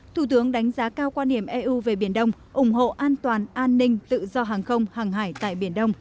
thủ tướng đánh giá cao quan hiểm eu về biển đông ủng hộ an toàn an ninh tự do hàng không hàng hải tại biển đông